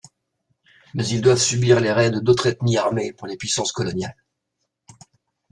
Mais ils doivent subir les raids d'autres ethnies armées par les puissances coloniales.